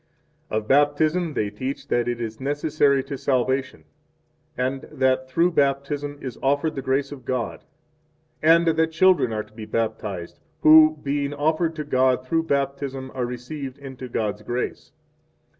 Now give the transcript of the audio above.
1 Of Baptism they teach that it is necessary 2 to salvation, and that through Baptism is offered the grace of God, and that children are to be baptized who, being offered to God through Baptism are received into God's grace.